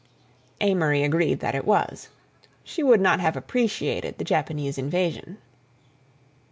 Amory agreed that it was. She would not have appreciated the Japanese invasion.